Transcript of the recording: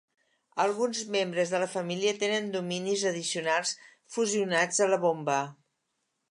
Alguns membres de la família tenen dominis addicionals fusionats a la bomba.